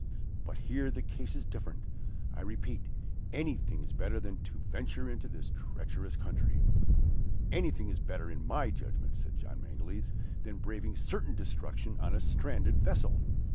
But here the case is different. I repeat, anything is better than to venture into this treacherous country." "Anything is better, in my judgment," said John Mangles, "than braving certain destruction on a stranded vessel."